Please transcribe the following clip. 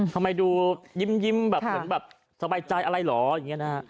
ทำไมดูยิ้มแบบเหมือนแบบสบายใจอะไรเหรออย่างนี้นะฮะ